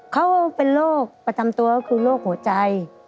เขาเป็นโรคประจำตัวก็คือโรคหัวใจ